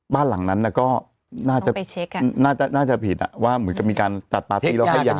บ้านหลังนั้นก็น่าจะต้องไปเช็คอ่ะน่าจะผิดอ่ะว่ามีการตัดตาตีแล้วให้ยา